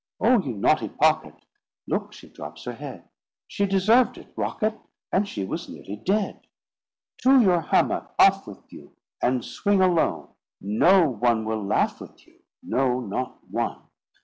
"Oh, you naughty Pocket! "Look, she drops her head." "She deserved it, Rocket, "And she was nearly dead." "To your hammock—off with you!" "And swing alone." "No one will laugh with you." "No, not one."